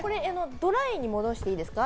ドライに戻していいですか？